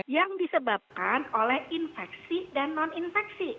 yang disebabkan oleh infeksi dan non infeksi